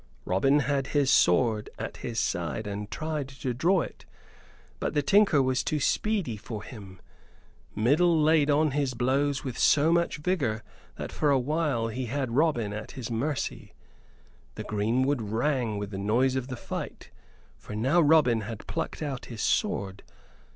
Robin had his sword at his side and tried to draw it; but the tinker was too speedy for him. Middle laid on his blows with so much vigor that for a while he had Robin at his mercy. The greenwood rang with the noise of the fight, for now Robin had plucked out his sword.